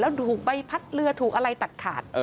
แล้วถูกใบพัดเรือถูกอะไรตัดขาด